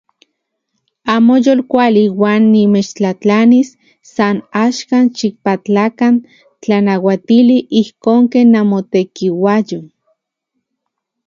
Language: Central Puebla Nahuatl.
Amo yolkuali uan nimechtlajtlanis san axkan xikpatlakan tlanauatili ijkon ken namotekiuajyo.